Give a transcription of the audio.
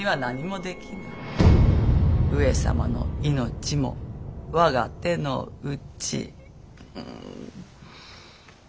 上様の命も我が手の内。